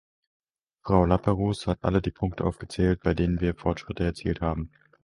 Frau Laperrouze hat all die Punkte aufgezählt, bei denen wir Fortschritte erzielt haben.